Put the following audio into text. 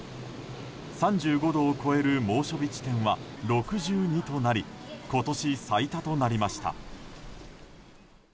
３５度を超える猛暑日地点は６２となり今年最多となりました。